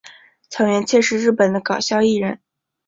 萤原彻是日本的搞笑艺人。